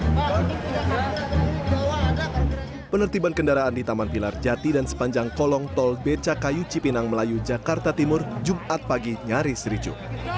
penertiban kendaraan di taman pilar jati dan sepanjang kolong tol becakayu cipinang melayu jakarta timur jumat pagi nyaris ricu